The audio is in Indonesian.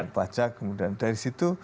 pajak kemudian dari situ